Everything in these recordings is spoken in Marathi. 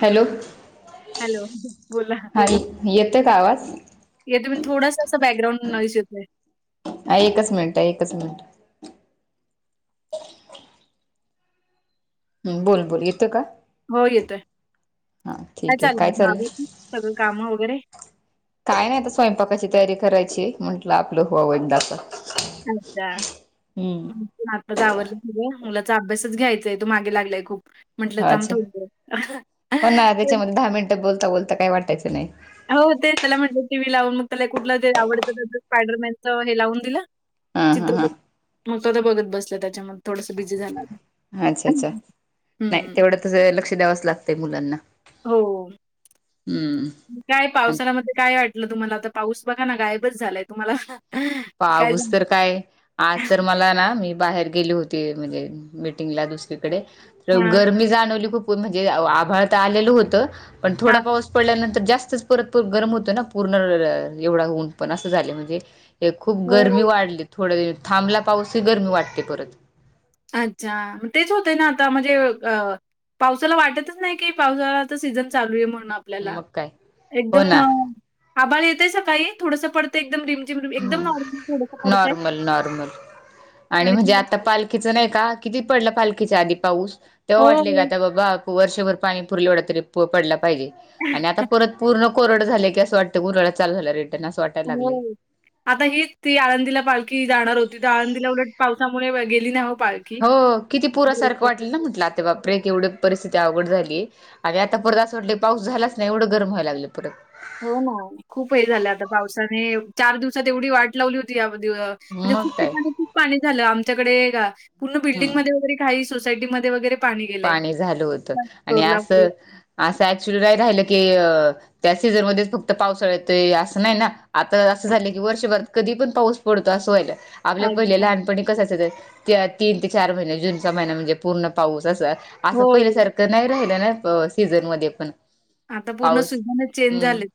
हॅलो, हॅलो, बोला. ह येतय का आवाज येथे मी थोडसां बॅकग्राउं व्हॉईस येतोय हा एकच मिनिट, एकच मिनिट हम् बोल, बोल येतो का हो येतोय हा काय ठीक आहे चाललंय मग आवरली सगळ काम वगैरे काय नाही आता स्वयंपाकाची तयारी करायची म्हटलं आपलं होव एकदा असं अच्छा हम्म आवरलं त मुलाचा अभ्यासच घ्यायचाय तो मागे लागलाय खूप म्हंटलं हो थांब अच्छा थोडा हो ना वेळ त्याच्यामध्ये दहा मिनिटं बोलता, बोलता काय वाटयचं नाही हो ते त्याला म्हटलं टी व्ही लावून मग त्याला कुठलं ज आवडतं स्पायडरमॅनच हे लावून दिलं हा हा चित्रपट मग स्वता बघत बसला त्याच्यामध्ये थोडस बिझी झालं आता अच्छा, अच्छा नाही हं. तेवढं तसं लक्ष द्यावच लागतंय मुलांना हो हम्म काय आणि पावसामध्ये काय अडल तुम्हाला आता पाऊस बघा ना गायबच झालाय तुम्हाला काय पाऊस झालं? तर काय आज तर मला ना मी बाहेर गेले होते म्हणजे मिटींगला दुसरीकडे त हां. गरमी जाणवली खूप ऊन म्हणजे आभळ तर आलेल होत पण हां. थोडा पाऊस पडल्यानंतर जास्तच परत गरम होतो ना पूर्ण एवढा ऊन पण अस झाले म्हणजे हे खूप गरमी हो. वाढली थोड थांबला पाऊस कि गरमी वाढते परत अच्छा तेच होते ना आता म्हणजे अ पावसाला वाटतच नाही की पावसाळाचा सीझन चालू आहे म्हणून आपल्याला मग काय हो एकदम ना आभळ येतय सकाळी थोडस पडत एकदम रिमझिम रिम ह नॉर्मल, नॉर्मल आणि म्हणजे आता पाल किच नाही का किती पडल पालखीच्या आधी पाऊस तेव्हा हो. वाटले का हो. आता बाबा वर्षभर पाणी पुरल ऐवढा तरी पडला पाहिजे आणि आता परत पूर्ण कोरड झाले की अस वाटतं उन्हाळाचालू झाला रिटर्न अस वाटत हो आता हीच ती आळंदीला पालखी जाणार होती तर आळंदीला उलट पावसामुळे गेली नाही पालखी. हो किती पुरासारख वाटल ना म्हटल आता बापरे एवढी परिस्थिती अवघड झालीय, आणि आता परत अस वाटले पाऊस झालाच नाही एवढ गरम व्हायला लागल परत, हो ना खूप हे झालय आता पावसाने चार दिवसात एवढी वाट लावली होती या दीअ म्हणजे खूप मग काय ठिकाणी खूप पाणी झाल आमच्याकडे का पूर्ण हम्म बिल्डिंगमध्ये वगैरे काही सोसायटी मध्ये वगैरे पाणी झाल होत आणि अस कोल्हापूर अस ऍक्च्युली नाही राहिल की त्या सीझनमध्ये फक्त पावसाळ यतोय अस नाही ना आता अस झाल की वर्षभरात कधी पण पाऊस पडतो अस व्हयलय. आपल्या पहिले लहानपणी कस असायच तीन ते चार महिने जूनचा महिना म्हणजे पूर्ण पाऊस तस अस हो. पहिल्यासारख नाही राहिलं ना सीझन मध्ये पण, आता पूर्ण पाऊस शीजनच चेंज हम्म झालेत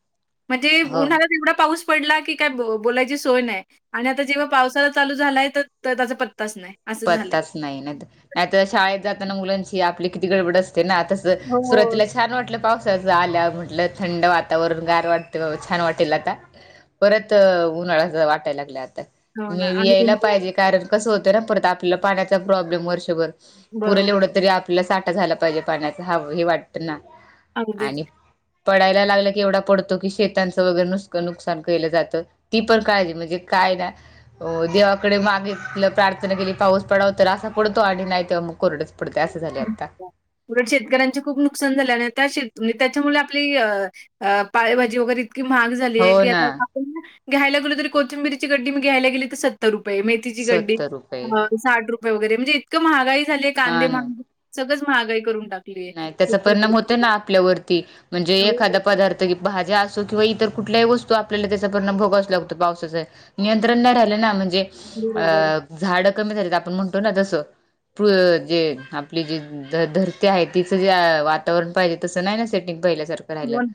म्हणजे हो उन्हाळ्यात एवढा पाऊस पडला की काय ब बोलायची सोय नाही, आणि आता जेव्हा पावसाळा चालू झालाय तर त्याचा पत्ताच नाही, असं झालंय. पत्ताच नाही नाही नाही तर शाळेत जाताना मुलांची आपली किती गडबड असते ना आता तर हो. सुरवातीलाच छान वाटल पावसाच आल्यावर म्हटल थंड वातावरण गार वाटत छान वाटल आता परत उन्हाळ्या वाटायला लागल आता हो ना मे बी आणि यायला पाहिजे कारण कस होत ना परत आपल्याला पाण्याचा प्रॉब्लेम वर्षभर पुरेल बरोबर. एवढ तरी आप ला साठा झाला पाहिजे पाण्याचा हव हे वाटत ना अगदीच. आणि पडायला लागला की एवढा पडतो की शेतांच वगैरे नुसत नुकसान केल जात ती पण काळज म्हणजे काय ना अ देवाकडे मागितलं प्रार्थना केली पाऊस पडाव तर असा पडतो आणि नाही तर मग कोरडच पडतय असं झाले आता. उलट शेतकऱ्यांचे खूप नुकसान झाले आणि त्या श त्याच्यामुळे आपली अ अ पाळेजी वगैरे, इतकी महाग झाली हो आहे की ना आता आपण घ्यायला गेलो तर कोथिंबीरीची गड्डी मी घ्यायला गेली तर सत सत्तर रुपये मेथीची गड्डी सत्तर रुपये साठ रुपये वगैरे म्हणजे इतक महागाई झाली आहे हा कांदे ना माहाग सगळच महागाई करून टाकत नाही त्याचा परिणाम होत ना आपल्यावरती म्हणजे हो, एखादा पदार्थ त भाज्या असो किंवा इतर कुठल्याही वस्तू आपल्याला त्याच्या परिनाम भोगावाच लागतो पावसाचा नियंत्रण नाही राहिल ना म्हणजे अ बरोबर. झाड कमी झालीत आपण म्हणतो ना जस जे आपली जी धर ती आहे तिच जे वातावरण पाहिजे तस नाही ना सेटिंग पहिल्यासारख होन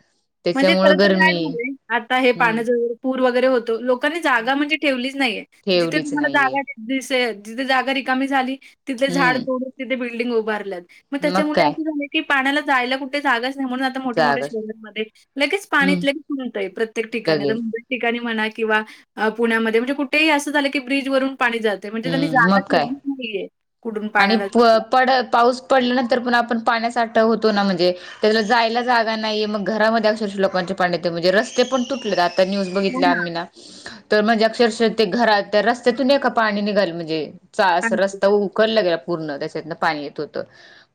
म्हणजे खर तर काय झालय आता हे हम्म पाण्याच ज पूर वगैरे होतो लोकांनी जागा म्हणजे ठेवलीच नाहीये जिथे ठेवलीच तुम्हाला नाहीये जागा दिसेल जिथे जागा रिकामी झाली तिथे झाड हम्म तोडून तिथे बिल्डिंग उभारलेत मग त्याच्यामुळे अस झाले की पाण्याला जायला कुठे जागाच नाही म्हनून आता मोठ मोठ्या जागा शहरांमध्ये लगेच पाणी हम्म लगेच तूंबतये प्रत्येक ठिकाणी तर लगेच मुंबई ठिकाणी म्हणा किंवा पुण्यामध्ये म्हणजे कुठेही अस झाल की ब्रिज वरून पाणी जात त म्हणजे त्यांनी हम्म जागा मग काय ठेवलीच नाहीये. कुठून आणि पाण्याला जायला. पड पाऊस पडल्यानंतर पण आपण पाण्या साठा होतो ना म्हणजे तर जायला जागा नाही मग घरामध्ये अक्षरशः लोकांचे पाणी येत म्हणजे रस्ते पण तुटले आत ता न्यूज बघितल्या आम्ही ना. तर म्हणजे अक्षरशः ते घरात त्या रस्त्यातून एका पाणी निघाल म्हणजे, चा अस रस्ता उकलला गेला पूर्ण त्याच्यातनं पाणी येत होत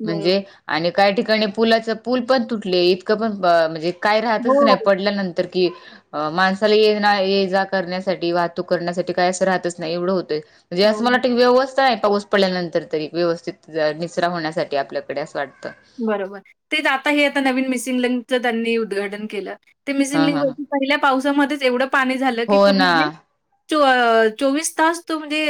बरोबर. म्हणजे आणि काही ठिकाणी पुलाच पूल पण तुटले इतकं पण म्हणजे काय हो, राहतच नाही पडल्यानंतर तर की अ माणसाला ये ना ये जा करण्यासाठी वाहतूक करण्यासाठी काय असं राहतच नाही एवढं होतय. म्हणजे अस हो. मला ती व्यवस्था नाही पाऊस पडल्यानंतर तरी व्यवस्थित निसरा होण्यासाठी आपल्याकडे असं वाटतं. बरोबर तेच आता हे आता नवीन मिसिंग लकच त्यांनी उद्घाटन केलं ते मिसिंग हा लिंक हा व हा पहिल्या पावसामध्येच एवढं पाणी झालं की हो पूर ना मध्ये चोवीस तास तो म्हणजे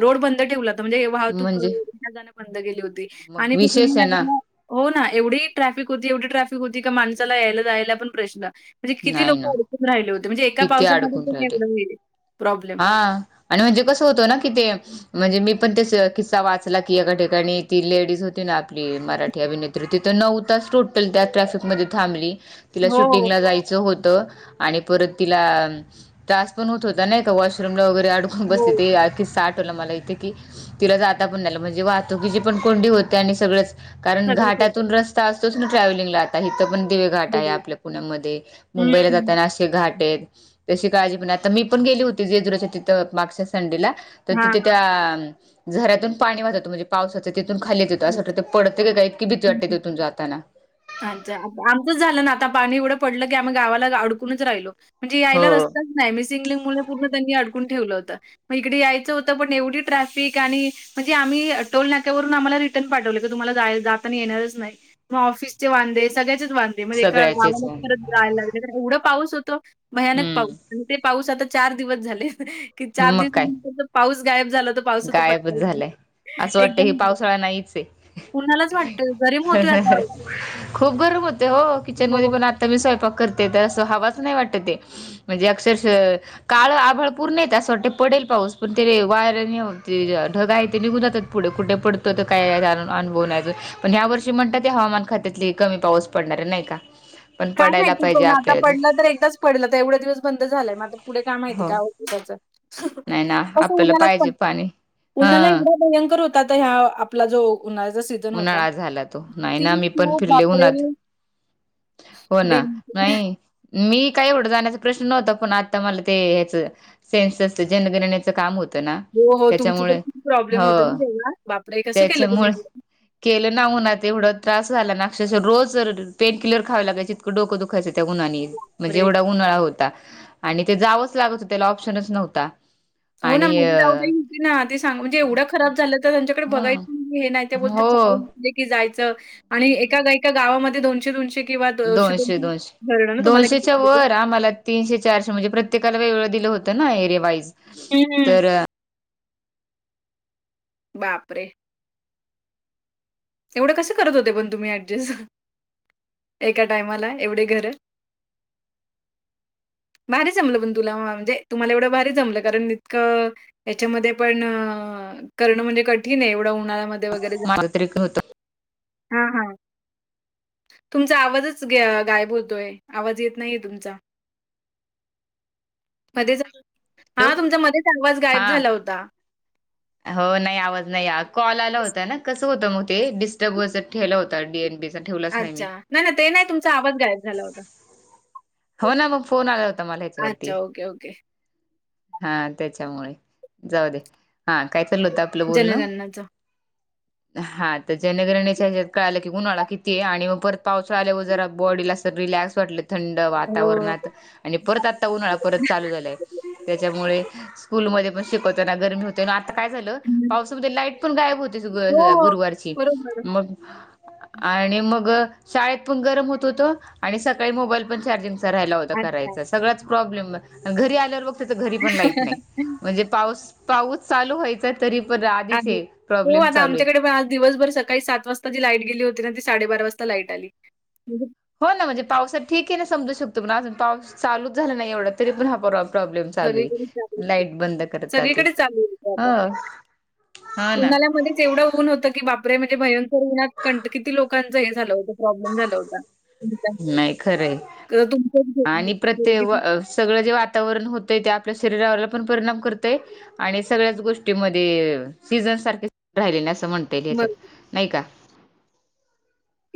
रोड बंद ठेवलाता म्हणजे वाहतूक म्हणजे बंद केली होती मग आणि विशेष आहे ना नाल्याला हो ना एवढी ट्रॅफिक होती एवढी ट्रॅफिक होती का माणसाला यायला, जायला पण प्रश्न म्हणजे किती नाही लोक ना अडकून राहिले होते म्हणजे एका किती पावसामध्ये अडकून पण राहिले एवढं प्रॉब्लेम हा आणि म्हणजे कसं होतं ना कि ते म्हणजे मी पण त्या किस्सा वाचला की एका ठिकाणी ती लेडीज होती ना आपली मराठी अभिनेत्री तर तिथं नऊ तास टोटल त्या ट्रॅफिकमध्ये थांबली तिला हो, शूटिंगला जायचं होतं आणि परत तिला त्रास पण होत होता नाही वॉशरूम ला वगैरे अडकून हो. बसते ते किस्सा आठवलं मला एक की तिला जाता पण नाही आलं म्हणजे वाहतुकीची पण कोंडी होते आणि सगळंच कारण सगळंच होतं. घाटातून रस्ता असतोच ना ट्रॅव्हलिंगला इथं पण दिवेघाट आहे आपल्या पुण्यामध्ये मुंबईला हं. जाताना घाट आहेत तशी काळजी पण आता मी पण गेली होती जेजुरीच्या तिथ मागच्या संडेला तर हां. तिथे त्या झऱ्यातून पाणी वातत म्हणजे पावसाचं तिथून खालीच येतं असं वातं ते पडतं का इतकी भिती वाटते हं. तिथून जाताना अच्छा आमचंच झालं ना आता पाणी एवढं पडलं की आम्ही गावाला अडकूनच राहिलो म्हणजे यायला हो. रस्ताच नाही मिसिंग लिंक मुळे पूर्ण त्यांनी अडकून ठेवलं होतं मग इकडे यायचं होतं पण एवढी ट्रॅफिक आणि म्हणजे आमी आ टोल नाक्यावरून आमाला रिटर्न पाटवले की तुम्हाला जाताना येणारच नाई म ऑफिस चे वांदे सगळ्याचेच वांदे म्हणजे एका सगळ्याचेच गावालाच आहे. परत जायला लागले कारण एवढं पाऊस होतो भयानक पाऊस हम्म आणि ते पाऊस आता चार दिवस झाले कि चार मग काय दिवस पाऊस गायब झाला तर पावसाचा पत्ता गायबच झालंय. असं वाटतंय हे पावसाळा नाईचय उन्हालाच वाटतं गरम ह, होतोय ह, ह आता. खूप गरम होतय ओ हो. किचनमदे पण आत मी स्वयंपाक करते तर अस हवाच नाही वाटत ते म्हणजे अक्षरशः काळ आभळ पूर्ण त्यास वाटे पडेल पाऊस पण ते वायर ते ढगा आहे ते निघून जातात पुढे कुठे पडत त तर काही जा अनभव नाही अजून पण ह्या वर्षी म्हणतात ते हवामान खात्यातले कमी पाऊस पडणारे नाही का पण काय पडायला माहितीय पाहिजे कोण आता आपल्याला ते पडलं तर एकताच पडलं तर एवढ दिवस बंद झालाय आता पुढे काय माहितीय का हो अचचछा नाही ना आपल्याला पाहिजे पाणी उन्हाला हा एकदा भयंकर होता तर ह्या आपला जो उन्हाळ्याचा सीझन होता उन्हाळा झाला तो नाही ती ना मी पण खूप फिरले उन्हात वापरेल हो ना नाही मी काय एवढं जाण्याचा प्रश्न नव्हता पण आता मला ते हेच सेन्स असत जनगणण्याचं काम होत हो हो तुमचं तर त्याच्यामुळे खूप ह प्रॉब्लेम होता ना तेव्हा बापरे कसं केलं त्याच्यामुळे तुम्ही केलं उन्हात तेवढं त्रास झाला ना अक्षरः रोज जर पेन किलर खावे लागायची इतक डोकं दुखायंच त्या उन्हानी एक मजे बापरे एवढा उन्हाळा होता आणि ते जावंच लागत होत त्याला ऑप्शनच नव्हता हो ना आणि माझी जाऊदई होती ना ते सांग म्हणजे एवढ्या खराब झालं तर त्यांच्याकडे हम्म बघायचं हे नाही बोलतात हो सकाळी की जायचं आणि एका, एका गावामध्ये दोनशे, दोनशे दोनशे, दोनशे दोनशेच्या किती? वर आमाला तीनशे, चारशे मणजे प्रत्येकाला वेगळं दिलं होतं ना एरिया वाईज हं, हं. तर बापरे एवड कस करत होते पण तुम्ही ऍडजस्ट एका टायमाला एवडे घर भारी जमलं पण तुला म्हणजे तुम्हाला एवढं भारी जमलं कारण इतकं याच्यामध्ये पण अ करणं म्हणजे कठीणय एवढ्या उन्हाळ्यामध्ये वगैरे जा माल तरी कण होत. हां हां. तुमचा आवाजच गे गायब होतोय आवाज येत नाइये तुमचा. मधेच हॅलो हा तुमचा मधेच आवाज गायब हा झाला होता. हो नाही आवाज नाही या कॉल आला होता ना, कसं होतं मग ते डिस्टर्बस ठेवलं होतं डी एन बी अच्चा नाई नाई ते नाई तुमचा आवाज गायब झाला होता. हो ना मग फोन आला होता मला हच्यावरती. अच्छा. Okay, okay. हा त्याच्यामुळे जाऊ दे हा. काय चाललं होतं आपलं बोलणं. [inaudible] हा त जनगणेच्या ह्यात कळालं की उन्हाळा किती आहे आणि मग परत पावसाळा आल्याव जरा बॉडीला तर रिलॅक्स म्हटल थंड हो. वातावरणात आणि परत आत्ता उन्हाळा परत चालू झालाय त्याच्यामुळे स्कूल मदे पण शिकवताना गरमी हो तन आता काय झालं हं. पावसामध्ये लाईट पण गायब होते हो, गुरुवारची बरोबर. मगं आणि मग अ शाळेत पण गरम होत होत आणि सकाळी मोबाईल पण चार्जिंग तर रायला होता अच्छा. करायचा सगळाच प्रॉब्लेम घरी आल्यावर त घरीपण लाईट नाई म्हणजे पा पाऊस चालू व्हायचाय तरी पण आली हे हो प्रॉब्लेम आता चालू आहेत. आमच्याकडे पण आज दिवसभर सकाळी सात वाजता जी लाईट गेली होती ना ती साडेबारा वाजता लाईट आली. हो ना म्हंजे पावसात ठीकेय ना समजू शकतो पण आजून पाऊस चालूच झाला नाई एवडा तरी पण हा परवा प्रॉब्लेम चालूय सगळीकडे चालू लाईट बंद करता ते सगळीकडेच चालू होतं आता. हम्म. उन्हाळ्यामध्येच एववढं ऊन होत. की बापरे म्हणजे भयंकर ऊन्हात कंठ किती लोकांचं हे झालं होतं प्रॉब्लेम झालं होता. नाही खरंय तुमचंच आणि व प्रत्येक अ सगळं जे वातावरण होतय ते आपल्या शरीरावरला पण परिणाम करतंय. आणि सगळ्याच गोष्टीमध्ये सीझन सारखेच राहिले असं म्हणता येईल याच्यात नाही कां?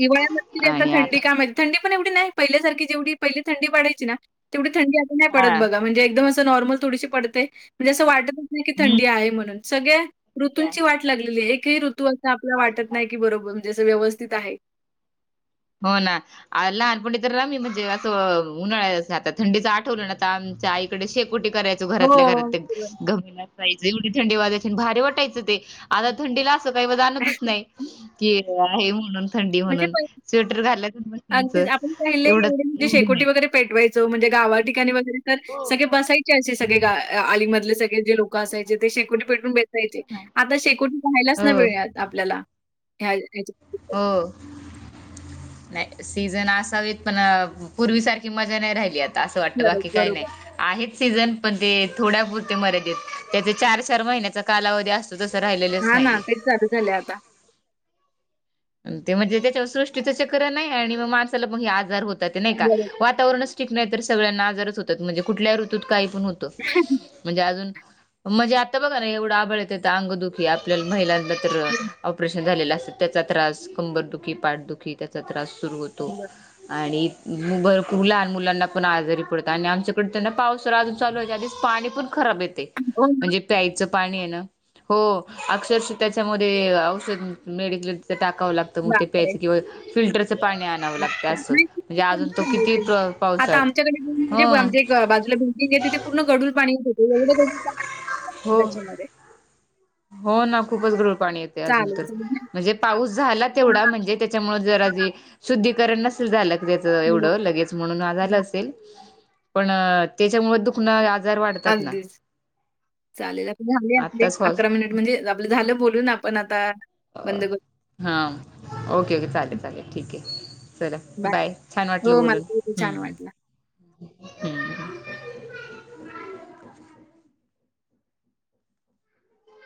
हिवळ्या नस्ती आता थंडी काय माहित? थंडी पण एवडी नाइ पहिल्यासारखी जेवी पहिली थंडी पाडायची ना तेवडी थंडी नाइ हा पडत बघा म्हणजे एकदम नॉर्मल थोडीशी पडते मंजे अस वाटत नाई की हम्म थंडी आहे म्हणून सगळ्या ते ऋतुंची आहे वाट लागलेली एकही ऋतू असं आपल्याला वाट वाटत लाग नाही की बरोबर म्हणजे जं व्यवस्थित आहे. हो ना. अ लहान पण तर आमी म्हणजे असं अ उन्हाळायात थंडीचं आठवलं न त आमच्या आईकडे शेकोटी करायच हो, घरातल्या घरात ते बरोबर. घमील असायचं एवडी थंडी वाजायची आणि भारी वाटायचं ते आता थंडीला असं काही आणतच नाही कि हे म्हणून थंडी म्हणजे म्हणून. पहि स्वेटर घाल की अगदीच आपण पहिले एवढे [unintelligible] म्हणजे एवढी शेकोटी नाही. वगैरे पेटवायचो म्हणजे गावा ठिकाणी वगेरे तर सगळे बसायचे असे सगळे ग आळीमधले सगळे जे लोक असायचे ते शेकोटी पेटून बचासायचे हो, ना. आता शेकटी पाहायलाच नाई हो. मिळयात. आपल्याला ह्या ह्याची हो. नाई सीझन असावीत पण अ पूर्वी सारखी मजा नाही राहिली आत असं वाटतं खरंच बाकी काही नाही. बरोबर. आहेत सीझन पण ते थोड्या पुुरते मर्यादेत त्याच चार चार महिन्याचा कालावधी अस तसं राहिलेलंच हां ना, नाहीये. चालू झाले आता. ते म्हणजे त्याच्यावर सृष्टीच चक्र नाही य आणि म माणसाला पण मग, हे आजार होतात ते नाही का बरोबर, वातावरण नाही तर सगळ्यांना आजारच होतात म्हणजे कुठल्या ऋतूत काही पण होतं म्हणजे अजून म्हणजे आता बघा ना एवढं आभळ येत अंगदुखी आपल्याल महिलांना तर ऑपरेशन झालेलं असत चा त्रास कंबरदुखी पाठदुखी त्याचा त्रास सुरू होतो. बरं. आणि म भर लहान मुलांना पण आजारी पडतात आणि आमच्याकडे त्यांना पाऊस पाऊस चालू व्हायच्या आधी पाणी पण खराब येते हो ना? म्हणजे प्यायचं पाणी आहे ना हो अक्षरश त्याच्यामध्ये औषध मेडिकले च टाकावं लागत मग ते प्यायच बापरे! किंवा फिल्टरचं पाणी आण अच्छा नाही [unintelligible] आता पावसात आमच्याकडे म्हणजे ह आमच्या बाजूला बिल्डिंग, जिते तिथे पूर्ण गडूळ पाणीच येतं होत एवढ गढूळ पाणी हो त्याच्यामध्ये, हो ना खूपच गढुळ पाणी येते अजून चालेल, तर चालेल. म्हणजे पाऊस झाला तेवढा म्हणजे त्याच्यामुळे जरा जे शुद्धीकरण नसल झालं त्याच हो, एवढं लगेच. म्हणून आज आल असेल पण त्याच्यामुळ दुख न्हाय आजार वाढतात ना अगदीच. चालेल. आता झाले आपले आताच स्वस मिनिट म्हणजे आपलं झालं बोलून आपण आता बंद करू, हा ओके ओके चालेल चालेल ठीक आहे चला बाय छान वाटलं हो, मला बोलून पण खूप छान वाटलं. हम.